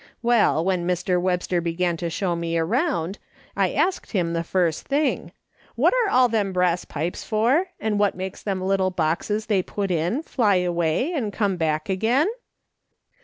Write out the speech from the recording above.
Well, when Mr. Webster began to show me around, I asked him the first thing, 'What are all them brass pipes for, and what makes them little boxes they put in lly away and come back again